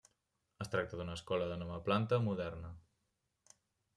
Es tracta d'una escola de nova planta, moderna.